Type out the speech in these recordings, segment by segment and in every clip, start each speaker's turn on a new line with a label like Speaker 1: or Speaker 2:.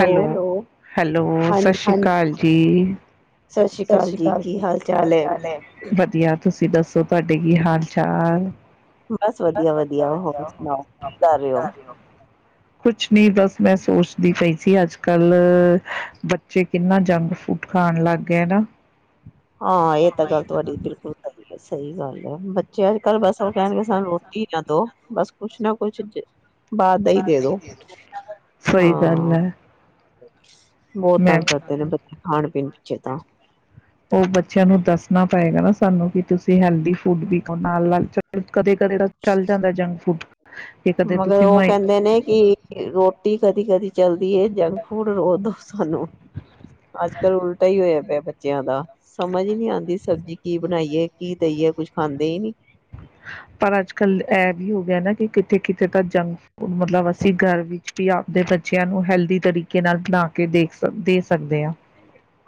Speaker 1: Hello hello ਸਤਿ
Speaker 2: ਹਾਂਜੀ
Speaker 1: ਸ੍ਰੀ ਅਕਾਲ ਜੀ ਜੀ ਸਤਿ ਸ਼੍ਰੀ ਅਕਾਲ ਜੀ ਕੀ ਹਾਲ ਚਾਲ ਹੈ ਵਧੀਆ ਤੁਸੀਂ ਦੱਸੋ ਤੁਹਾਡੇ ਕੀ ਹਾਲ ਚਾਲ
Speaker 2: ਬਸ ਵਧੀਆ
Speaker 1: ਵਧ
Speaker 2: ਵਧੀਆ ਹੋਰ
Speaker 1: ਵਧਆ
Speaker 2: ਸੁਣਾਓ ਕੀ ਕਰ ਰਹੇ ਹੋ
Speaker 1: ਕੁਛ ਨ ਬਸ ਮੈਂ ਸੋਚ ਦੀ ਪਈ ਸੀ ਅੱਜ ਕੱਲ ਬੱਚੇ ਕਿੰਨਾ ਜੰਕ ਫੂਡ ਖਾਣ ਲੱਗ ਗਿਆਰ
Speaker 2: ਹਾਂ ਇਹ ਤਾਂ ਗਲਤ ਵਡੀ ਬਿਲਕੁਲ ਤਾਂ ਸਹੀ ਗੱਲ ਹੈ ਅੱਜ ਕੱਲ੍ਹ ਬਸ ਉਹ ਕਹਿਣਗੇ ਸਾਨੂੰ ਰੋਟੀ ਨਾ ਦੋ ਬਸ ਕੁਛ ਨਾ ਕੁਛ ਬਾਹਰ ਦਾ ਹੀ ਦੇ ਦੋ
Speaker 1: ਸਹੀ ਗੱਲ ਹੈ
Speaker 2: ਹ ਬਹੁਤ
Speaker 1: ਮੈਂ
Speaker 2: ਤੰਗ ਕਰਦੇ ਨੇ ਬੱਚੇ ਖਾਣ ਪਨਪੇ ਤਾਂ
Speaker 1: ਣਾ ਪਏਗਾ ਨਾ ਸਾਨੂੰ ਕਿ ਤੁਸੀਂ ਹੈਲਦੀ ਫੂਡ ਵੀ ਨਾਲ ਨਾਲ ਚ ਕਦੇ ਕਦੇ ਤਾਂ ਚੱਲ ਜਾਂਦਾ ਜੰਕ ਫੂਡ ਕਿ ਕਦੇ
Speaker 2: ਮਗਰ
Speaker 1: ਤੁਸੀਂ ਮ
Speaker 2: ਉਹ ਕਹਿੰਦੇ ਨੇ ਕਿ ਰੋਟੀ ਕਦੀ ਕਦੀ ਚਲਦੀ ਜੰਕ ਫੂਡ ਰੋ ਦੋ ਸਾਨੂੰ ਅੱਜ ਕੱਲ ਉਲਟਾ ਹੀ ਹੋਇਆ ਪਿਆ ਬੱਚਿਆਂ ਦਾ ਸਮਝ ਨੀ ਆਉਂਦੀ ਸਬਜ਼ੀ ਕੀ ਬਣਾਈਏ ਕੀ ਦੇਈਏ ਕੁਛ ਖਾਂਦੇ ਹੀ ਨੀ
Speaker 1: ਪਰ ਅੱਜ ਕੱਲ ਇਹ ਵੀ ਹੋ ਗਿਆ ਨਾ ਕਿ ਕਿਤੇ ਕਿਤੇ ਤਾਂ ਜੰਕ ਫੂਡ ਮਤਲਬ ਅਸੀਂ ਘਰ ਵਿੱਚ ਵੀ ਆਪਦੇ ਬੱਚਿਆਂ ਨੂੰ ਹੈਲਦੀ ਤਰੀਕੇ ਨਾਲ ਬਣਾ ਕੇ ਦੇਖ ਦੇ ਸਕਦੇ ਹਾਂ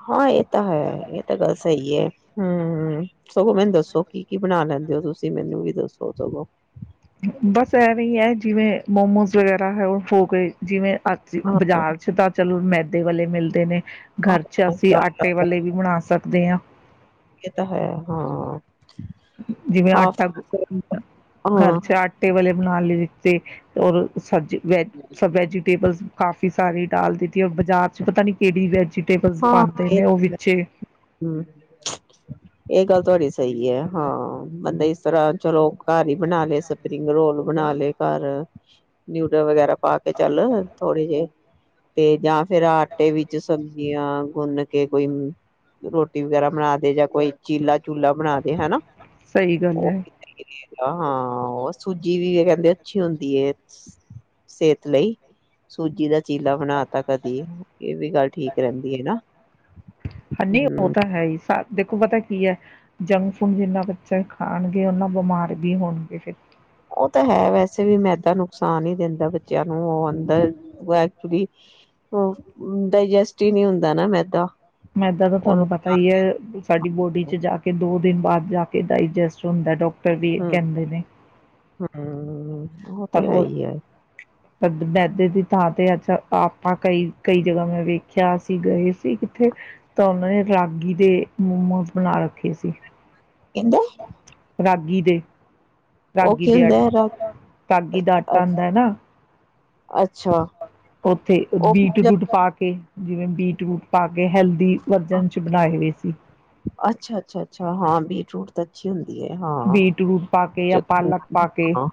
Speaker 2: ਹਾਂ ਇਹ ਤਾਂ ਹੈ ਇਹ ਤਾਂ ਗੱਲ ਸਹੀ ਹੈ ਹਮ ਹਮ ਸਗੋਂ ਮੈਨੂੰ ਦੱਸੋ ਕੀ ਕੀ ਬਣਾ ਲੈਂਦੇ ਹੋ ਤੁਸੀਂ ਮੈਨੂੰ ਵੀ ਦੱਸੋ ਸਗੋਂ
Speaker 1: ਬਸ ਇਹਵੇਂ ਹੈ ਜਿਵੇਂ ਮੋਮੋਸ ਵਗੈਰਾ ਹੈ ਉਹ ਹੋ ਗਏ ਜਿਵੇਂ ਅ
Speaker 2: ਹਾਂ
Speaker 1: ਬਾਜ਼ਾਰ ਚ ਤਾਂ ਚਲੋ ਮੈਦੇ ਵਾਲੇ ਮਿਲਦੇ ਨੇ ਘਰ ਚ
Speaker 2: ਹਾਂ,
Speaker 1: ਅਸੀਂ ਆਟੇ ਵਾਲੇ ਵੀ ਬਣਾ ਸਕਦੇ ਹਾਂ
Speaker 2: ਇਹ ਤਾਂ ਹੈ ਹਾਂ
Speaker 1: ਜਿਵੇਂ
Speaker 2: ਹਾਫ
Speaker 1: ਆਟਾ
Speaker 2: ਹਾਂ
Speaker 1: ਘਰ ਚ ਆਟੇ ਵਾਲੇ ਬਣਾ ਲਈਏ ਔਰ ਸੱਜ ਵੈਜ ਸਬ ਵੈਜੀਟੇਬਲਸ ਕਾਫੀ ਸਾਰੀ ਡਾਲ ਦਿੱਤੀ ਰ ਬਾਜ਼ਾਰ ਚ ਪਤਾ ਨੀ ਕਿਹੜੀ ਵੈਜ ਟੇਬਲਸ
Speaker 2: ਹਾਂ
Speaker 1: ਪਾਉਂਦੇ
Speaker 2: ਇਹ
Speaker 1: ਨੇ ਉਹ ਵਿੱਚੇ
Speaker 2: ਹਮ ਇਹ ਗੱਲ ਤੁਹਾਡੀ ਸਹੀ ਹੈ ਹਾਂ ਬੰਦਾ ਇਸ ਤਰ੍ਹਾਂ ਚਲੋ ਘਰ ਹੀ ਬਣਾ ਲਏ ਸਪਰਿੰਗ ਰੋਲ ਬਣਾ ਲਏ ਘਰ ਨਿਊਡਲ ਵਗੈਰਾ ਪਾ ਕੇ ਚੱਲ ਥੋੜੇ ਜਿਹੇ ਤੇ ਜਾਂ ਫੇਿਰ ਆਟੇ ਵਿੱਚ ਜੀਆਂ ਗੁੰਨ ਕੇ ਕੋਈ ਰੋਟੀ ਵਗੈਰਾ ਬਣਾ ਦੇ ਜਾਂ ਕੋਈ ਚੀਲਾ ਚੂਲਾ ਬਣਾ ਦੇ ਹਨਾ
Speaker 1: ਸਹੀ
Speaker 2: ਉਹ
Speaker 1: ਗੱਲ ਐ।
Speaker 2: ਹਾਂ, ਉਹ ਸੂਜੀ ਵੀ ਕਹਿੰਦੇ ਅੱਛੀ ਹੁੰਦੀ ਸਿਹਤ ਲਈ, ਸੂਜੀ ਦਾ ਚੀਲਾ ਬਣਾ ਤਾ ਕਦੀ, ਇਹ ਵੀ ਗੱਲ ਠੀਕ। ਰਹਿੰਦੀ ਹੈ, ਨਾ।
Speaker 1: ਹਾਂ, ਨਹੀਂ ਉਹ
Speaker 2: ਹਮ
Speaker 1: ਤਾਂ ਹੈਹੀ, ਸ ਦੇਖੋ ਪਤਾ ਕੀ ਹੈ, ਜੰਕ ਫੂਡ ਜਿੰਨਾ ਬੱਚਾ ਖਾਣਗੇ, ਉਹਨਾਂ ਬਿਮਾਰ ਵੀ ਹੋਣਗੇ। ਫਿਰ।
Speaker 2: ਉਹ ਤਾਂ ਹੈ ਵੈਸੇ ਵੀ ਮੈਦਾ ਨੁਕਸਾਨ ਹੀ ਦਿੰਦਾ ਬੱਚਿਆਂ ਨੂੰ, ਉਹ ਅੰਦਰ ਐਕਚੁਲੀ ਡਾਇਜਸਟ ਹੀ ਨਹੀਂ ਹੁੰਦਾ ਨਾ ਮੈਦਾ।
Speaker 1: ਮੈਂਦਾਂ ਤਾਂ
Speaker 2: ਉਹਨੂੰ
Speaker 1: ਤੁਹਾਨੂੰ ਪਤਾ ਹੀ ਹੈ, ਸਾਡੀ ਬੋਡੀ ਚ ਜਾ ਕੇ ਦੋ ਦਿਨ ਬਾਅਦ ਜਾ ਕੇ ਡਾਇਜੈਸਟ ਹੁੰਦਾ ਡਾਕਟਰ ਦ ਾਟਰ ਵੀ ਕਹਿੰਦੇ ਨੇ।
Speaker 2: ਹੰ ੳਹ ਤ
Speaker 1: ਪਰ
Speaker 2: ਹੈ
Speaker 1: ਉਹ
Speaker 2: ਹੀ, ਏ।
Speaker 1: ਮੈਦੇ ਦੀ ਥਾਂ ਤੇ, ਅੱਛਾ ਆਪਾਂ ਕਈ ਕਈ ਜਗ੍ਹਾ ਮੈਂ ਵੇਖਿਆ ਅਸੀਂ ਗਏ ਸੀ, ਕਿੱਥੇ ਤਾਂ ਉਹਨਾਂ ਨੇ ਰਾਗੀ ਦੇ ਮੋਮੋਜ਼ ਬਣਾ ਰੱਖੇ ਸੀ।
Speaker 2: ਇਦਾ
Speaker 1: ਰਾਗੀ ਦੇ ਰਾਗੀ ਦੇ ਆ,
Speaker 2: ਹੁੰਦਾ ਹੈ ਰਾ
Speaker 1: ਰਾਗੀ ਦਾ ਆਟਾ
Speaker 2: ਅ-
Speaker 1: ਆਉਂਦਾ ਹੈ, ਨਾ।
Speaker 2: ਅੱਛਾ।
Speaker 1: ਉੱਥੇ
Speaker 2: ਉਹ
Speaker 1: ਬੀਟ
Speaker 2: ਵੀ
Speaker 1: ਰੂਟ ਪਾ, ਕੇ। ਜਿਵੇਂ ਬੀਟ ਰੂਟ ਪਾ ਕੇ, ਹੈਲਦੀ ਵਰਜਨ ਚ ਬਣਾਏ ਹੋਏ ਸੀ। [unintelligible]
Speaker 2: ਅੱਛਾ। ਅੱਛਾ, ਅੱਛਾ, ਹਾਂ, ਬੀਟ ਰੂਟ ਤਾਂ, ਅੱਛੀ ਹੁੰਦੀ। ਹੈ ਹਾਂ
Speaker 1: ਬੀਟ ਰੂਟ ਪਾ ਕੇ, ਯਾ
Speaker 2: ਚ-
Speaker 1: ਪਾਲਕ ਪਾ ਕੇ।
Speaker 2: ਹਾਂ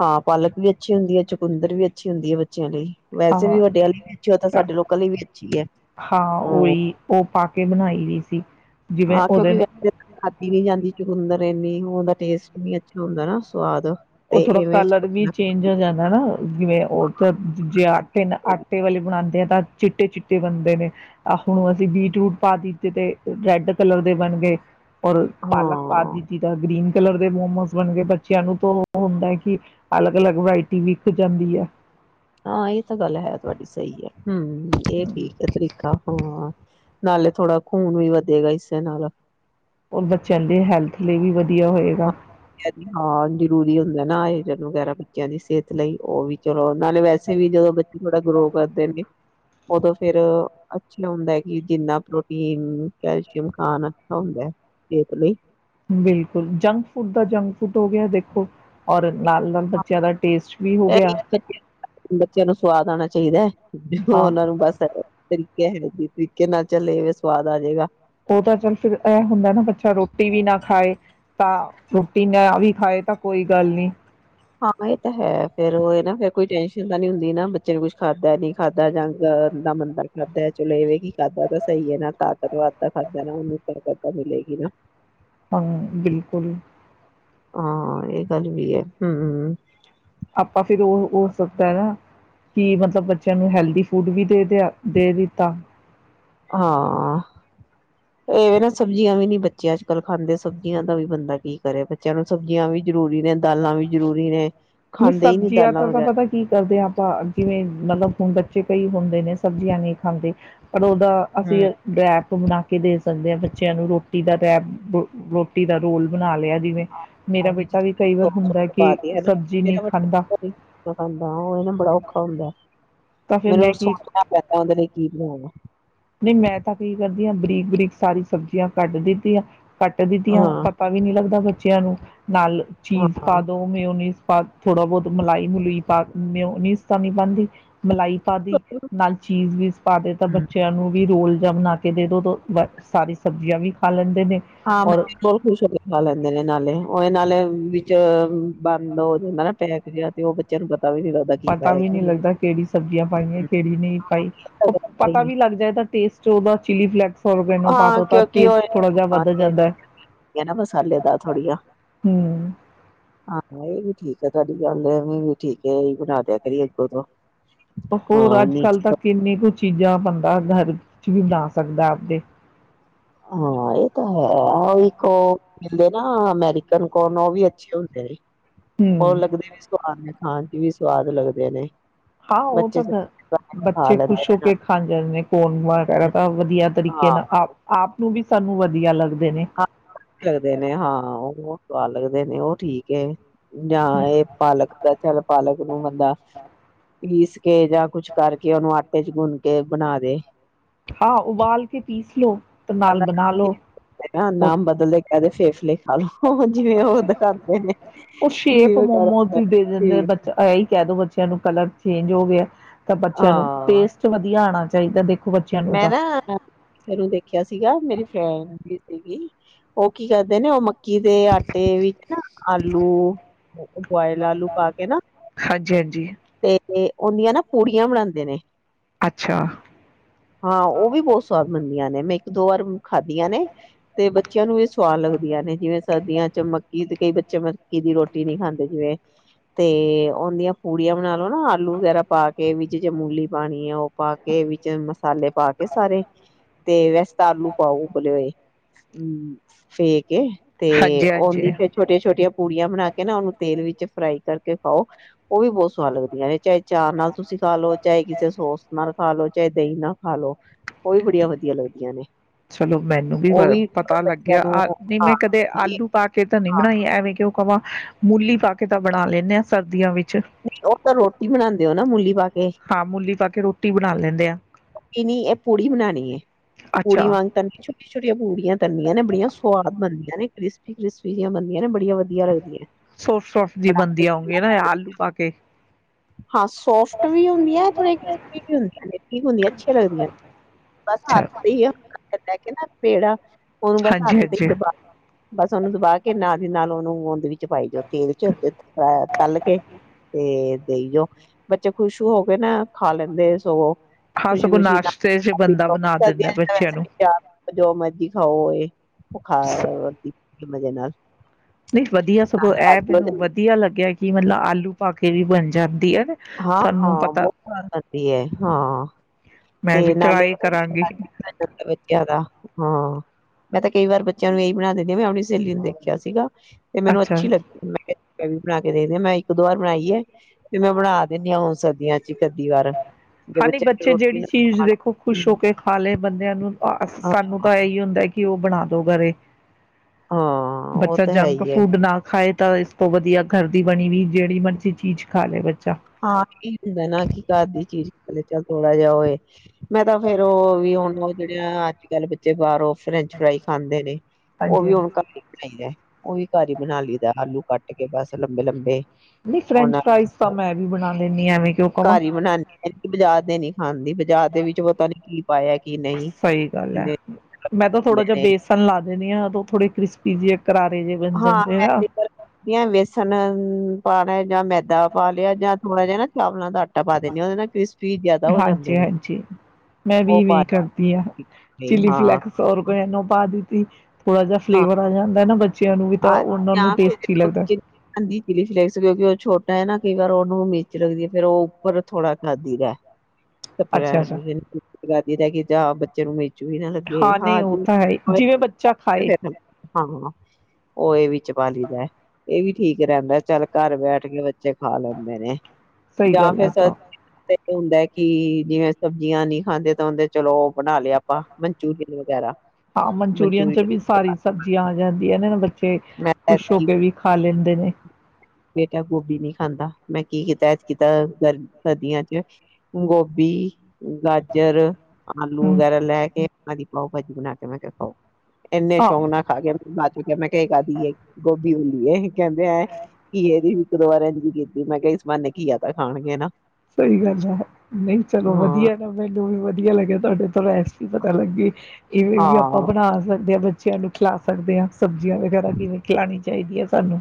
Speaker 2: ਹਾਂ, ਪਾਲਕ ਵੀ ਅੱਛੀ ਹੁੰਦੀ ਹੈ, ਚਕੁੰਦਰ ਵੀ ਅੱਛੀ ਹੁੰਦੀ ਹੈ ਬੱਚਿਆਂ ਲਈ। ਵੈਸੇ
Speaker 1: ਹਾਂ
Speaker 2: ਵੀ ਵੱਡੇ ਲਈ ਵੀ ਅੱਛੀ ਹੋ, ਤਾਂ ਸਾਡੇ ਲੋਕਾਂ ਲਈ ਵੀ ਅੱਛੀ ਹੈ‌।
Speaker 1: ਹਾਂ
Speaker 2: ਹਮ
Speaker 1: ਉਹੀ ਉਹ ਪਾ ਕੇ ਬਣਾਈ ਵੀ ਸੀ। ਜਿਵੇਂ
Speaker 2: ਹਾਂ
Speaker 1: ਉਹਦੇ
Speaker 2: ਕਿਉਂਕਿ ਵੈਸੇ [unintelligible] ਵੀ ਨੀ ਜਾਂਦੀ ਚੁਕੁੰਦਰ ਇੰਨੀ, ਉਹ- ਉਹਦਾ ਟੇਸਟ ਨੀ ਅੱਛਾ ਹੁੰਦਾ ਨਾ, ਸਵਾਦ।
Speaker 1: ਉਹ
Speaker 2: ਤੇ
Speaker 1: ਥੋੜਾ
Speaker 2: ਇਵੇਂ
Speaker 1: ਕਲਰ ਵੀ ਚੇਂਜ ਹੋ ਜਾਂਦੈਂ ਨਾ, ਜਿਵੇਂ ਉਹ ਤਾਂ ਜੇ ਆਟੇ, ਨਾ ਆਟੇ ਵਾਲੇ ਬਣਾਂਦੇ ਆ‌। ਤਾਂ ਚਿੱਟੇ ਚਿੱਟੇ ਬਣਦੇ ਨੇ, ਆ ਹੁਣ ਅਸੀਂ ਬੀਟ ਰੂਟ ਪਾ ਦਿੱਤੇ ਤੇ, ਰੈਡ ਕਲਰ ਦੇ ਬਣ ਗਏ। ਔਰ, ਪਾਲਕ ਪਾ
Speaker 2: ਹਾਂ।
Speaker 1: ਦਿੱਤੀ ਤਾਂ ਗ੍ਰੀਨ। ਕਲਰ ਦੇ ਮੋਮੋਸ ਬਣ ਗਏ ਬੱਚਿਆਂ ਨੂੰ ਤੋ ਉਹ ਹੁੰਦਾ ਕਿ, ਅਲੱਗ- ਅਲੱਗ ਵਰਾਇਟੀ ਵਿੱਕ ਜਾਂਦੀ ਐ।
Speaker 2: ਹਾਂ, ਇਹ ਤਾਂ ਗੱਲ ਹੈ, ਤੁਹਾਡੀ ਸਹੀ ਹੈ। ਹੰ ਇਹ ਠੀਕ ਹੈ, ਤਰੀਕਾ ਹਾਂ। ਨਾਲੇ ਥੋੜਾ ਖੂਨ ਵੀ ਵੱਧੇਗਾ ਇਸਦੇ ਨਾਲ, ਆਪ
Speaker 1: ਔਰ ਬੱਚਿਆਂ ਦੇ ਹੈਲਥ ਲਈ ਵੀ ਵਧੀਆ ਵਧੀਆ ਹੋਏਗਾ
Speaker 2: ਹਾਂ ਜਰੂਰੀ ਹੁੰਦਾ ਨਾ ਏਜਨ ਵਗੈਰਾ ਬੱਚਿਆਂ ਦੀ ਸਿਹਤ ਲਈ ਉਹ ਵੀ ਚਲੋ ਨਾਲੇ ਵੈਸੇ ਵੀ ਜਦੋਂ ਬੱਚੇ ਥੋੜਾ ਗਰੋ ਕਰਦੇਨ ਗੇ ਉਦੋਂ ਫੇਰ ਅੱਛਾ ਹੁੰਦਾ ਕਿ ਜਿੰਨਾ ਪ੍ਰੋਟੀਨ ਕੈਲਸ਼ੀਅਮ ਖਾਣ ਅੱਛਾ ਹੁੰਦੇ ਸਿਹਤ ਲਈ
Speaker 1: ਬਿਲਕੁਲ ਜੰਕ ਫੂਡ ਦਾ ਜੰਕ ਫੂਡ ਹੋ ਗਿਆ ਦੇਖੋ ਔਰ ਨਾਲ ਨਾਲ ਬੱਚਿਆਂ ਦਾ ਟੇਸਟ ਵੀ ਹੋ ਗਿਆ
Speaker 2: [unintelligible] ਬੱਚਿਆਂ ਨੂੰ ਸਵਾਦ ਆਉਣਾ ਚਾਹੀਦਾ ਹੈ
Speaker 1: ਹਾਂ
Speaker 2: ਉਹਨਾਂ ਨੂੰ ਬਸ [unintelligible] ਕਿਸੇ ਦੇ ਤਰੀਕੇ ਨਾਲ ਚਲੇ ਵੇ ਸਵਾਦ ਆ ਜੇਗਾ
Speaker 1: ਉਹ ਤਾਂ ਚੱਲ ਫਿਰ ਇਹ ਹੁੰਦਾ ਨਾ ਬੱਚਾ ਰੋਟੀ ਵੀ ਨਾ ਖਾਏ ਤਾਂ ਰੋਟੀ ਨਾ ਵੀ ਖਾਏ ਤਾਂ ਕੋਈ ਗੱਲ ਨੀ
Speaker 2: ਹਾਂ ਇਹ ਤਾਂ ਹੈ ਫੇਰ ਉਹ ਇਹ ਨਾ ਫੇਰ ਕੋਈ ਟੈਨਸ਼ਨ ਤਾਂ ਨੀ ਹੁੰਦੀ ਨਾ ਬੱਚੇ ਨੂੰ ਕੁੱਛ ਖਾਧੇ ਨੀ ਖਾਧਾ ਜੰਗ ਦਾ ਮੰਦ ਖਾਧਾ ਚਲੋ ਇਹਵੇ ਕਿ ਖਾਧਾ ਤਾਂ ਸਹੀ ਹੈ ਨਾ ਤਾਕਤਵਰ ਦਾ ਖਾਧਾ ਨਾ ਉਹਨੂੰ ਤਾਕਤ ਤਾਂ ਮਿਲੇਗੀ ਨਾ
Speaker 1: ਹਾਂ ਬਿਲਕੁਲ
Speaker 2: ਹਾਂ ਇਹ ਗੱਲ ਵੀ ਹੈ ਹਮ ਹ
Speaker 1: ਆਪਾਂ ਫਿਰ ਉਹ ਹੋ ਸਕਦਾ ਹੈ ਨਾ ਕਿ ਮਤਲਬ ਬੱਚਿਆਂ ਨੂੰ ਹੈਲਦੀ ਫੂਡ ਵੀ ਦੇ ਦਿਆ ਦੇ ਦਿੱਤਾ
Speaker 2: ਹਾਂ ਇਹਵੇਂ ਨਾ ਸਬਜ਼ੀਆਂ ਵੀ ਨੀ ਬੱਚੇ ਅੱਜ ਕੱਲ੍ਹ ਖਾਂਦੇ ਸਬਜ਼ੀਆਂ ਦਾ ਵੀ ਬੰਦਾ ਕੀ ਕਰੇ ਬੱਚਿਆਂ ਨੂੰ ਸਬਜ਼ੀਆਂ ਵੀ ਜ਼ਰੂਰੀ ਨੇ ਦਾਲਾਂ ਵੀ ਜ਼ਰੂਰੀ ਨੇ-
Speaker 1: ਨਹੀਂ
Speaker 2: ਖਾਂਦੇ ਹੀ ਨੀ
Speaker 1: ਸਬਜ਼ੀਆਂ
Speaker 2: ਦਾਲਾਂ
Speaker 1: ਤਾਂ ਤਾਂ
Speaker 2: ਵਗੈਰਾ
Speaker 1: ਪਤਾ ਕੀ ਕਰਦੇ ਹਾਂ ਆਪਾਂ ਜਿਵੇਂ ਮਤਲਬ ਹੁਣ ਬੱਚੇ ਕਈ ਹੁੰਦੇ ਨੇ ਸਬਜ਼ੀਆਂ ਨਹੀਂ ਖਾਂਦੇ ਪਰ ਉਹਦਾ ਅਸੀਂ
Speaker 2: ਹਮ
Speaker 1: ਰੈਪ ਬਣਾ ਕੇ ਦੇ ਸਕਦੇ ਆ ਬੱਚਿਆਂ ਨੂੰ ਰੋਟੀ ਦਾ ਰੈਪ ਰੋ ਰੋਟੀ ਦਾ ਰੋਲ ਬਣਾ ਕੇ ਿਆ ਦੀਵੇ ਮੇਰਾ ਬੇਟਾ ਵੀ ਕਈ ਵਾਰ ਹੁੰਦਾ ਕਿ
Speaker 2: ਪਾਤੀ
Speaker 1: ਨਹੀਂ ਖਾਂਦਾ
Speaker 2: [unintelligible]
Speaker 1: ਤਾਂ ਫਿਰ
Speaker 2: ਮੈਨੂੰ
Speaker 1: ਮੈਂ ਕੀ
Speaker 2: ਸੋਚਣਾ ਪੈਂਦਾ ਉਹਦੇ ਲਈ ਕੀ ਬਣਾਵਾ
Speaker 1: ਨਹੀਂ ਮੈਂ ਤਾਂ ਕੀ ਕਰਦੀ ਹਾਂ ਬਰੀਕ ਬਰੀਕ ਸਾਰੀ ਸਬਜ਼ੀਆਂ ਕੱਢ ਦਿੱਤੀਆਂ ਕੱਟ ਦਿੱਤੀਆਂ
Speaker 2: ਹਾਂ
Speaker 1: ਪਤਾ ਵੀ ਨਹੀ ਲੱਗਦਾ ਬੱਚਿਆਂ ਨੂੰ ਨਾਲ ਚੀਜ਼ ਪਾ
Speaker 2: ਹਾਂ
Speaker 1: ਦੋ ਮੈਂੳਨਿਸ ਆਪਾਂ ਥੋੜਾ ਬਹੁਤ ਮਲਾਈ [unintelligible] ਤਾਂ ਨਹੀਂ ਬਣਦੀ ਮਲਾਈ ਪਾ ਦੀ ਨਾਲ ਚੀਜ਼ ਵੀਜ ਪਾ ਦਿੱਤਾ ਬ
Speaker 2: ਹੂੰ,
Speaker 1: ਨੂੰ ਵੀ ਰੋਲ ਜ ਬਣਾ ਕੇ ਦੇ ਦੋ ਸਾਰੀ ਸਬਜ਼ੀਆਂ ਵੀ ਖਾ ਲੈਂਣਦੇ
Speaker 2: ਹਾਂ ਬੱਚੇ ਬਹੁਤ ਖੁਸ਼ ਹੋ ਕੇ ਖਾ ਲੈਂਦੇ ਨੇ ਨਾਲੇ ਉਹ ਇਹ ਨਾਲੇ ਤ ਬੰਦ ਹੋ ਜਾਂਦਾ ਨਾ ਪੈਕ ਜਿਹੜਾ ਤੇ ਉਹ ਬੱਚਿਆਂ ਨੂੰ ਗ
Speaker 1: ਪਤਾ ਵੀ ਨਹੀਂ ਲੱਗਦਾ ਕਿਹੜੀ ਸਬਜ਼ੀਆਂ ਪਾਈਆਂ ਕਿਰੇ ਨਹੀਂ ਪਾਈ ਉਹ ਪਤਾ ਵੀ ਲੱਗ ਜਾਏ ਤਾਂ ਇਹਦਾ ਟੇਸਟ ਉਹਦਾ ਚਿਲੀ ਫਲੈਕਸ ਔਰਗੈਨੋ ਪਾ
Speaker 2: ਹਾਂ
Speaker 1: ਦੋ ਤਾਂ
Speaker 2: ਕਿਉਂਕਿ
Speaker 1: ਟੇਸਟ ਥੋੜਾ ਜਿਹਾ ਵੱਧ ਜਾਂਦਾ ਹੈ
Speaker 2: ਉਹ ਨਾ ਮਸਾਲੇ ਦਾ ਥੋੜੀਆਂ
Speaker 1: ਹਮ
Speaker 2: ਹਾਂ ਇਹ ਵੀ ਠੀਕ- ਅੱਛਾ ਤੁਹਾਡੀ ਗੱਲ ਐ ਵੀ ਠੀਕ ਹੈ ਬਣਾ ਦਿਆ ਕਰਰੀ ਅੱਗੋ ਤੋਂ
Speaker 1: ਹੋਰ
Speaker 2: ਹਾਂ
Speaker 1: ਅੱਜ-ਕਲ੍ਹ
Speaker 2: ਨੀਚੇ
Speaker 1: ਤਾਂ
Speaker 2: ਤੋਂ
Speaker 1: ਕਿੰਨੀ ਕੁ ਚੀਜ਼ਾਂ ਬੰਦਾ ਘਰ ਚ ਵੀ ਬਣਾ ਸਕਦਾ ਆਪੇ
Speaker 2: ਹਾਂ ਇਹ ਤਾਂ ਹੈ ਉਹ ਕਦੇ ਨਾ ਅਮੈਰੀਕਨ ਕੌਰਨ ਉਹ ਵੀ ਅੱਛੇ ਹੁੰਦੇ ਨੇ ਉਹ
Speaker 1: ਹੂੰ
Speaker 2: ਲੱਗਦੇ ਵੀ ਸੁਆਦ ਏ ਹਾਂਜੀ ਵੀ ਸਵਾਦ ਲੱਗਦੇ ਨੇ
Speaker 1: ਹਾਂ ਉਹ
Speaker 2: ਬੱਚੇ
Speaker 1: ਤਾਂ
Speaker 2: ਖਾ
Speaker 1: ਬੱਚੇ
Speaker 2: ਲੈਂਦੇ
Speaker 1: ਖੁਸ਼ ਹੋ
Speaker 2: ਨੇ
Speaker 1: ਕੇ ਖਾ ਜਾਂਦੇ ਨੇ ਕੌਰਨ ਵ
Speaker 2: ਨਾਲ
Speaker 1: [unintelligible] ਵਧੀਆ ਤਰੀਕੇ
Speaker 2: ਹਾਂ
Speaker 1: ਨਾਲ ਆਪ ਆਪ ਨੂੰ ਵੀ ਸਾਨੂੰ ਵਧੀਆ ਲੱਗਦਾ
Speaker 2: ਹਾਂ ਲੱਗਦੇ ਨੇ ਹਾਂ ਉਹ ਬ ਸਵਾਦ ਲਗਦਾ ਕਦੇ ਨੇ ਉਹ ਠੀਕ ਹੈ ਜਾਂ ਇਹ ਪਾਲਕ ਦਾ ਖਿਆਲ ਪਾਲਕ ਬੰਦਾ ਪੀਸ ਕੇ ਜਾਂ ਕੁਛ ਕਰਕੇ ਉਹਨੂੰ ਆਟੇ ਚ ਗੁੰਨ ਕੇ ਬਣਾ ਦੇ
Speaker 1: ਹਾਂ ਉਬਾਲ ਕੇ ਪੀਸ ਲੋ ਤੇ ਨਾਲ
Speaker 2: ਬੰਦਾ
Speaker 1: ਬਣਾ ਲੋ
Speaker 2: ਨਾਮ ਨਾਮ
Speaker 1: ਉਹ
Speaker 2: ਬਦਲਦੇ ਕਦੇ ਫੇਫਲੇ ਖਾ ਲੋ ਜਿਵੇਂ ਉਹ ਦਿਖਾਦੇ ਨੇ
Speaker 1: ਸ਼ੇਪ
Speaker 2: ਵੈਰਾ
Speaker 1: ਜਦੋਂ ਬੱਚਿਆਂ ਨੂੰ ਕਲਰ ਚੇਂਜ ਹੋ ਗਿਆ ਤਾਂ ਬੱਚਿਆਂ ਨੂੰ
Speaker 2: ਹਾਂ
Speaker 1: ਟੇਸਟ ਵਧੀਆ ਆਨਾ ਚਾਹੀਦਾ ਦੇਖੋ ਬੱਚਿਆਂ ਨੂੰ
Speaker 2: ਮੈਂ
Speaker 1: ਤਾਂ
Speaker 2: ਨਾ ਇਹਨੂੰ ਦੇਖਿਆ ਸੀਗਾ ਮੇਰੀ ਫੈ ਸੀਗੀ ਉਹ ਕੀ ਕਰਦੇ ਨੇ ਉਹ ਮ ਕਿਦੇ ਆਟੇ ਵਿੱਚ ਨਾ ਆਲੂ [inaudible] ਬੋਈਲ ਆਲੂ ਪਾ ਕੇ ਨਾ
Speaker 1: ਹਾਂਜੀ ਹਾਂਜੀ
Speaker 2: ਤੇ ਉਹਦੀਆਂ ਨਾ ਪੂੜੀਆਂ ਬਣਾਉਂਦੇ ਨੇ
Speaker 1: ਅੱਛਾ
Speaker 2: ਹਾਂ ਉਹ ਵੀ ਬਹੁਤ ਸਵਾਦ ਨੇ ਮੈਂ ਇੱਕ ਦੋ ਵਾਰ ਖਾਧੀਆਂ ਨੇ ਤੇ ਬੱਚਿਆਂ ਨੂੰ ਸਵਾਦ ਲੱਗਦੀਆਂ ਨੇ ਜਿਵੇਂ ਸਰਦੀਆਂ ਚ ਮੱਕੀ ਤੇ ਕਈ ਬੱਚੇ ਚਮਕੀ ਦੀ ਰੋਟੀ ਨੀ ਖਾਂਦੇ ਜਿਵੇਂ ਤੇ ਉਹਦੀਆਂ ਪੂੜੀਆਂ ਬਣਾ ਲੋ ਨਾ ਆਲੂ ਵਗੈਰਾ ਪਾ ਕੇ ਵਿੱਚ ਜਮੂਲੀ ਪਾਣੀ ਆ ਉਹ ਪਾ ਕੇ ਮਸਾਲੇ ਪਾ ਕੇ ਸਾਰੇ ਤੇ ਵੈਸ ਤਾਂ ਆਲੂ ਪਾਊ ਉਭਲੇ ਹੋਏ ਹਮ ਫੇਕ ਤੇ
Speaker 1: ਹਾਂਜੀ
Speaker 2: ਉਹਦੀ
Speaker 1: ਹਾਂਜੀ
Speaker 2: ਫੇਰ ਛੋਟੀਆਂ ਛੋਟੀਆਂ ਪੂੜੀਆਂ ਬਣਾ ਕੇ ਨਾ ਉਹਨੂੰ ਤੇਲ ਵਿੱਚ ਫਰਾਈ ਕਰਕੇ ਖਾਓ ਉਹ ਵੀ ਬਹੁਤ ਸਵਾਦ ਲੱਗਦੀਆਂ ਨੇ ਚਾਹੇ ਚਾਹਅ ਨਾਲ ਤੁਸੀਂ ਖਾ ਲੋਓ ਚਾਹੇ ਕਿਸੇ ਸੋਸ ਨਾਲ ਹਲੋ ਇਹ ਦਹੀਂ ਨਾ ਖਾਲੋ
Speaker 1: ਚਲੋ ਮੈਨੂੰ ਵੀ
Speaker 2: ਉਹ
Speaker 1: ਪਤਾ
Speaker 2: ਬੱਚਿਆਂ
Speaker 1: ਲੱਗਿਆ
Speaker 2: ਨੂੰ
Speaker 1: ਆ ਨਹੀਂ
Speaker 2: ਹਾਂ
Speaker 1: ਮੈਂ ਕਦੇ ਆਲੂ ਪਾ ਕੇ ਤਾਂ ਨਹੀਂ
Speaker 2: ਹਾਂ
Speaker 1: ਬਣਾਈ ਐਵੇਂ ਕਿਉਂ ਕਵਾਂ ਮੂਲੀ ਪਾ ਕੇ ਤਾਂ ਬਣਾ ਲੈਂਦੇ ਹਾਂ ਸਰਦੀਆਂ ਵਿੱਚ
Speaker 2: ਉਹ ਤਾਂ ਰੋਟੀ ਬਣਾਉਂਦੇ ਹੋ ਨਾ ਮੂਲੀ ਪਾ ਕੇ
Speaker 1: ਹਾਂ ਮੂਲੀ ਪਾ ਕੇ ਰੋਟੀ ਬਣਾ ਲੈਂਦੇ ਆ
Speaker 2: ਇਹ ਪੂੜੀ ਬਣਾਉਣੀ ਪੂੜੀ
Speaker 1: ਅੱਛਾ
Speaker 2: ਵਾਂਗ ਤਲ਼ਕੇ ਛੋਟੀਆਂ ਛੋਟੀਆਂ ਪੂਰੀਆਂ ਤਲ਼ਨੀਆਂ ਨੇ ਬੜੀਆਂ ਸਵਾਦ ਬਣਦੀਆਂ ਨੇ ਕ੍ਰਿਸਪੀ ਕ੍ਰਿਸਪੀ ਜਿਹੀਆਂ ਬਣਦੀਆਂ ਨੇ ਬੜੀਆਂ ਵਧੀਆ ਲੱਗਦੀਆਂ
Speaker 1: ਸੌਫਟ ਸੌਫਟ ਜਿਹੀ ਬਣਦੀ ਆਉਂਗੀਆਂ ਨਾ ਆਲੂ ਪਾ ਕੇ
Speaker 2: ਹਾਂ ਸੋਫਟ ਵੀ ਹੁੰਦੀਆਂ ਥੋੜੀਆਂ ਕ੍ਰਿਸਪੀ ਵੀ ਹੁੰਦੀਆਂ ਹੁੰਦੀ ਅੱਛੀਆਂ ਲਗਦੀਆਂ ਬਸ ਹੱਥ
Speaker 1: ਅੱਛਾ
Speaker 2: ਦੇ ਹੀ ਲੈ ਕੇ ਨਾ ਪੇੜਾ ਉਹਨੂੰ ਬਸ
Speaker 1: ਹਾਂਜੀ
Speaker 2: ਹੱਥ ਤੇ
Speaker 1: ਹਾਂਜੀ
Speaker 2: ਦਬਾ ਬਸ ਉਹਨੂੰ ਦਬਾ ਕੇ ਨਾਲ ਦੀ ਨਾਲ ਉਹਨੂੰ ਵਿੱਚ ਪਾਈ ਜਾ ਤੇਲ ਚ ਉੱਤੇ ਤਲ ਕੇ ਤੇ ਦੇਈ ਜੋ ਬੱਚੇ ਖੁਸ਼ ਹੋ ਕੇ ਨਾ ਖਾ ਲੈਂਦੇ ਸਗੋਂ
Speaker 1: ਹਾਂ
Speaker 2: ਖੁਸ਼ੀ
Speaker 1: ਸਗੋਂ
Speaker 2: ਖੁਸ਼ੀ
Speaker 1: ਨਾਸ਼ਤੇ ਚ
Speaker 2: ਨਾਲਦੀ
Speaker 1: ਬੰਦਾ ਬਣਾ ਦਿੰਦਾ ਬੱਚਿਆਂ ਨੂੰ
Speaker 2: ਚ ਜੋ ਮਰਜੀ ਖਾਓ ਇਹ ਉਹ ਖ ਮਜੇ ਨਾਲ
Speaker 1: ਨਹੀਂ ਵਧੀਆ ਸਗੋਂ
Speaker 2: ਹਾਂ
Speaker 1: ਇਹ ਮੈਨੂੰ ਵਧੀਆ ਲੱਗਿਆ ਕਿ ਮਤਲਬ ਆਲੂ ਪਾ ਕੇ ਵੀ ਬਣ ਜਾਂਦੀ ਹੈ
Speaker 2: ਹਾਂ
Speaker 1: ਸਾਨੂੰ
Speaker 2: ਹਾਂ
Speaker 1: ਪਤਾ
Speaker 2: ਬਹੁਤ ਗੱਲ ਆਦੀ ਹੈ ਹਾਂ
Speaker 1: ਮੈਂ ਵੀ
Speaker 2: ਤੇ ਨਾਲੇ
Speaker 1: ਟਰਾਈ
Speaker 2: ਪਤਾ ਕੀ
Speaker 1: ਕਰਾਂਗੀ
Speaker 2: ਜਾਂਦਾ ਬੱਚਿਆਂ ਦਾ ਹਾਂ ਮੈਂ ਤਾਂ ਕਈ ਵਾਰ ਬੱਚਿਆਂ ਨੂੰ ਇਹੀ ਬਣਾ ਦਿੰਦੀ ਹ ਮੈਂ ਆਪਣੀ ਸਹੇਲੀ ਨੂੰ ਦੇਖਿਆ ਸੀਗਾ ਤੇ ਮੈਨੂੰ
Speaker 1: ਅੱਛਾ
Speaker 2: ਅੱਛੀ ਲੱਗੀ ਕ ਵੀ ਬਣਾ ਕੇ ਦੇਖਦੇ ਹ ਮੈਂ ਇੱਕ ਦੋ ਵਾਰ ਬਣਾਈ ਹੈ ਤੇ ਮੈਂ ਬਣਾ ਹੁਣ ਸਰਦੀਆਂ ਚ ਇੱਕ ਅੱਧੀ ਵਾਰ ਜੇ
Speaker 1: ਹਨਾਂ
Speaker 2: ਨੇ
Speaker 1: ਬੱਚੇ
Speaker 2: ਰੋਟੀ
Speaker 1: ਜਿਹੜੀ
Speaker 2: ਨਾ
Speaker 1: ਚੀਜ਼
Speaker 2: ਖਾਣ
Speaker 1: ਦੇਖੋ ਖੁਸ਼ ਹੋ
Speaker 2: ਹੂੰ।
Speaker 1: ਕੇ ਖਾ ਲਏ ਬੰਦਿਆਂ ਨੂੰ ਸਾਨੂੰ ਤਾਂ ਇਹੀ ਹੁੰਦਾ ਕਿ ਉਹ ਬਣਾ ਦੋ ਘਰੇ
Speaker 2: ਹਾਂ, ਉਹ
Speaker 1: ਬੱਚਾ
Speaker 2: ਤਾਂ ਹੈ
Speaker 1: ਜੰਕ
Speaker 2: ਹੀ ਹੈ।
Speaker 1: ਫੂਡ ਨਾ ਖਾਏ ਤਾਂ ਇਸ ਕੋੋ ਵਧੀਆ ਘਰ ਬਣੀ ਵੀ ਜਿਹੜੀ ਮਰਜ਼ੀ ਚੀਜ਼ ਖਾ ਲਏ ਬ
Speaker 2: ਹਾਂ ਇਹ ਹੁੰਦਾ ਨਾ ਕੀ ਘਰ ਦੀ ਚੀਜ਼ ਪਲੇ ਚੱਲ ਥੋੜਾ ਜਿਹਾ ਹੋਵੇ ਮੈਂ ਤਾਂ ਫੇਰ ਉਹ ਵੀ ਹੁਣ ਜਿਹੜੇ ਅੱਜ ਕੱਲ੍ਹ ਬੱਚੇ ਬਾਹਰੋਂ ਫਰੈਂਚ ਫਰਾਈ ਖਾਂਦੇ ਨੇ ਉਹ
Speaker 1: ਹਾਂਜੀ
Speaker 2: ਵੀ ਹੁਣ
Speaker 1: ਹਾਂਜੀ
Speaker 2: ਘਰ ਹੀ ਬਣਾਈਦੇ ਉਹੀ ਘਰ ਈ ਬਣਾ ਲਈ ਦਾ ਆਲੂ ਕੱਟ ਕੇ ਬਸ ਲੰਬੇ ਲੰਬੇ
Speaker 1: ਨਹੀਂ ਫ੍ਰੈਂਚ ਫ੍ਰਾਈਜ਼ ਸਮੈਂ ਵੀ ਬਣਾ ਦੇਣੀ ਆਂ ਐਵੇਂ ਕਿਉਂ ਕਵਾਂ।
Speaker 2: ਖਾਦੇਂ ਨੀ ਖਾਣ ਦੀ ਬਾਜ਼ਾਰ ਦੇ ਵਿੱਚ ਪਤਾ ਨੀ ਕੀ ਪਾਇਆ ਕੀ
Speaker 1: [unintelligible]
Speaker 2: ਨਹੀਂ
Speaker 1: ਸਹੀ ਗੱਲ ਐ,
Speaker 2: ਕਿੰਨੇ
Speaker 1: ਮੈਂ ਤਾਂ
Speaker 2: ਹੁੰਦੇ
Speaker 1: ਥੋੜ੍ਹਾ ਜਿਹਾ
Speaker 2: ਨੇ
Speaker 1: ਬੇਸਨ ਲਾ ਦੇਣੀ ਆਂ ਉਹ ਥੋੜੀ ਕ੍ਰਿਸਪੀ ਜੇ
Speaker 2: ਹਾਂ ਮੈਂ ਬੇਸਣ ਪਾਣਾ ਜਾਂ ਮੈਦਾ ਪਾ ਲਿਆ ਜਾਂ ਥੋੜਾ ਜਿਹਾ ਨਾ ਚਾਵਲਾ ਦਾ ਆ ਪਾ ਦਿੰਦੇ ਉਹਦੇ ਨਾਲ ਕ੍ਰਿਸਪੀ ਜਿਆਦਾ ਹੋ
Speaker 1: ਹਾਂਜੀ
Speaker 2: ਜਾਂਦੇ ਨੇ
Speaker 1: ਹਾਂਜੀ, ਮੈਂ ਵੀ
Speaker 2: ਉਹ ਪਾ
Speaker 1: ਇਵੇਂ ਕਰਦੀ ਆਂ
Speaker 2: ਦਿੱਤੀ,
Speaker 1: ਚਿਲੀ
Speaker 2: ਹਾਂ
Speaker 1: ਫਲੈਕਸ ਓਰਗੇਨੋ ਪਾ ਦਿ ਤੇ ਥੋੜਾ ਜਿਹਾ
Speaker 2: ਹਾਂ
Speaker 1: ਫਲੇਵਰ ਆ ਜਾਂਦਾ ਨਾ ਬਚ
Speaker 2: ਆ ਜਾਂ ਫੇਰ ਇਕ ਚਿਲੀ ਆਂਦੀ ਚਿਲੀ ਫਲੈਕਸ ਕਿਉਂਕਿ ਉਹ ਛੋ ਐ ਨਾ ਕਈ ਵਾਰ ਉਹਨੂੰ ਮਿਰਚ ਲਗਦੀ ਏ। ਫੇਰ ਉਹ ਉੱਪਰ ਥੋੜਾ ਕਰ ਦੀਦੈ। [unintelligible]
Speaker 1: ਅੱਛਾ ਅੱਛਾ
Speaker 2: ਜਾਂ ਬੱਚੇ ਨੂੰ ਮਿ- ਮਿਚ ਵੀ ਨਾ ਲੱਗੇ।
Speaker 1: ਹਾਂ ਨਹੀਂ ਉਹ ਤਾਂ ਹੈ ਹੀ, ਜਿਵੇਂ ਬੱਚਾ ਖਾਏ
Speaker 2: [unintelligible] ਉਏ ਵਿਚ ਪਾਲੀਦਾ। ਏ ਵੀ ਠੀਕ ਰਹਿੰਦਾ ਚੱਲ ਘਰ ਬੈਠ ਕੇ ਬੱਚੇ ਖਾ ਲੈਂਦੇ ਨੇ।
Speaker 1: ਸਹੀ
Speaker 2: ਜਾਂ
Speaker 1: ਗੱਲ
Speaker 2: ਫਿਰ
Speaker 1: ਹੈ
Speaker 2: ਸ
Speaker 1: ਤਾਂ
Speaker 2: ਤੇ ਹੁੰਦਾ ਏ ਕੀ ਜਿਵੇਂ ਸਬਜ਼ੀਆਂ ਨੀ ਖਾਂਦੇ ਤਾਂ ਉਹਦੇ ਚਲੋ ਉਹ ਬਣਾ ਲਿਆ ਆਪਾਂ ਮਨਚੂਰੀਅਨ ਵਗੈਰਾ
Speaker 1: ਹਾਂ ਮਨਚੂਰੀਅਨ ਚ ਵੀ ਸਾਰੀ ਸਬਜ਼ੀ ਆ ਜਾਂਦੀਆਂ ਨੇ ਬਚ ਚੇ
Speaker 2: ਮੈਂ
Speaker 1: ਖੁਸ਼ ਹੋ
Speaker 2: ਐਤਕੀ
Speaker 1: ਕੇ ਵੀ ਖਾ ਲੈਂਦੇ ਨੇ।
Speaker 2: ਬੇਟਾ ਗੋਭੀ ਨੀ ਖਾਂਦਾ। ਮੈਂ ਕੀ ਕੀਤਾ ਇਜ ਕੀਤਾ ਗਰ ਸਰਦੀਆਂ ਚ ਗੋਭੀ, ਗਾਜਰ ਆਲੂ
Speaker 1: ਹਮ
Speaker 2: ਵਗੈਰਾ ਲੈ ਕੇ ਓਨਾ ਦੀ ਪਾਓ ਭਾਜੀ ਬਣਾ ਕੇ, ਮੈਂ ਕਿਹਾ ਖਾਓ। ਇੰਨੇ ਸ਼ੌਂਕ ਨਾ ਖਾ ਗਿਆ ਮੈਂ ਕਿਆ ਏ ਕਾਦੀ ਏ। ਗੋਭੀ ਦੀ [unintelligible] ਕਹਿੰਦੇ ਐ ਘੀਏ ਦੀ ਵੀ ਇੱਕ ਦੋਆਰਾ ਏਂਜ ਦੀ ਕੀਤੀ। ਮੈਂ ਕਿਹਾ ਇਸ ਬਾਨੇ ਘੀਆ ਤਾਂ ਖਾਣਗੇ ਨਾ।
Speaker 1: ਸਹੀ ਗੱਲ ਸਾ। ਨਹੀਂ ਚਲੋ
Speaker 2: ਹਾਂ
Speaker 1: ਵਧੀਆ ਏ ਨਾ ਮੈਨੂੰ ਵੀ ਵਧਆ ਵਧੀਆ ਲੱਗਿਆ ਤੁਹਾਡੇ ਤੋ ਰੇਸ ਵੀ ਪਤਾ ਲੱਗੇ। ਇਵੇਂ ਵੀ
Speaker 2: ਹਾਂ
Speaker 1: ਆਪਾਂ ਬਣਾ ਸਕਦੇ ਹਾਂ ਬ ਬੱਚਿਆਂ ਨੂੰ ਖਿਲਾ ਸਕਦੇ ਆਂ। ਸਬਜ਼ੀਆਂ ਵਗੈਰਾ ਕਿਵੇਂ ਖਿਲਾਣੀ ਚਾਈਦੀ ਏ ਸਾਨੂੰ।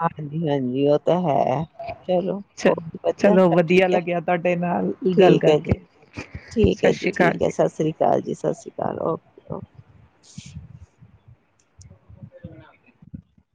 Speaker 2: ਹਾਂਜੀ -ਹਾਂਜੀ ਉਹ ਓ ਤਾ ਹੈ। ਚਲੋ,
Speaker 1: ਚ
Speaker 2: ਬਹੁਤ ਵਧੀਆ
Speaker 1: ਚਲੋ
Speaker 2: ਸਭ
Speaker 1: ਵਧੀਆ
Speaker 2: ਠੀਕ ਐ।
Speaker 1: ਲੱਗਿਆ ਤੁਹਾਡੇ ਨਾਲ ਗੱਲ
Speaker 2: ਠੀਕ ਐ ਜੀ-
Speaker 1: ਕਰਕੇ
Speaker 2: ਠੀਕ
Speaker 1: ਸਤਿ
Speaker 2: ਐ ਜੀ
Speaker 1: ਸ਼੍ਰੀ ਅਕਾਲ
Speaker 2: -ਠੀਕ ਏ। ਸਾਸਰੀ ਕਾਲ ਜੀ -ਸਾਸਰੀ ਕਾਲ। [unintelligible] [inaudible]